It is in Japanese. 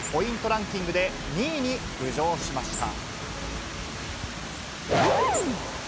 ランキングで２位に浮上しました。